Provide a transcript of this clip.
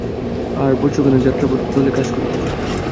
আজ বছরখানেক যাত্রার দলে কাজ করিতেছে।